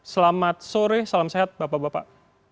selamat sore salam sehat bapak bapak